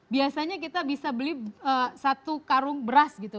biasanya kita bisa beli satu karung beras gitu